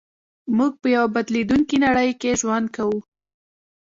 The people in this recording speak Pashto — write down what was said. موږ په يوه بدلېدونکې نړۍ کې ژوند کوو.